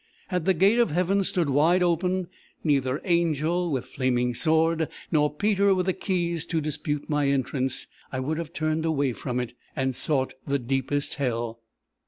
Had the gate of heaven stood wide open, neither angel with flaming sword, nor Peter with the keys to dispute my entrance, I would have turned away from it, and sought the deepest hell.